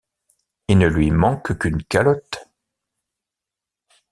Il ne lui manque qu’une calotte.